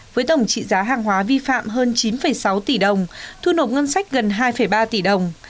với tổng trị giá hàng hóa vi phạm hơn chín sáu tỷ đồng thu nộp ngân sách gần hai ba tỷ đồng